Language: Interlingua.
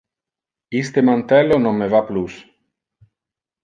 Iste mantello non me va plus.